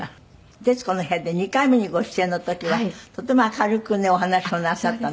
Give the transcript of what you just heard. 『徹子の部屋』で２回目にご出演の時はとても明るくねお話をなさったんですよ。